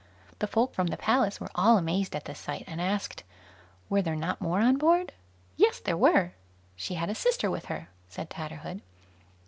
The folk from the palace were all amazed at this sight, and asked, were there not more on board? Yes, there were; she had a sister with her, said Tatterhood.